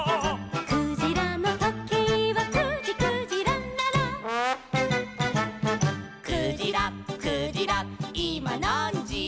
「クジラのとけいは９じ９じららら」「クジラクジラいまなんじ」